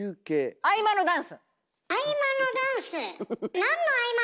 合間のダンス！